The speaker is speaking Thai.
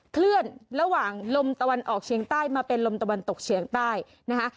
เคลื่อนระหว่างลมตะวันออกเชียงใต้มาเป็นลมตะวันตกเฉียงใต้นะคะ